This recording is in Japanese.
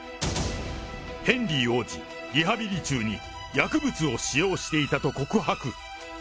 ヘンリー王子、リハビリ中に薬物を使用していたと告白。